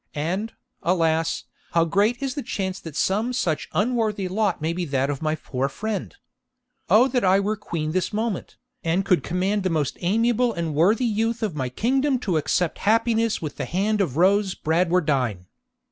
And, alas! how great is the chance that some such unworthy lot may be that of my poor friend! O that I were a queen this moment, and could command the most amiable and worthy youth of my kingdom to accept happiness with the hand of Rose Bradwardine!'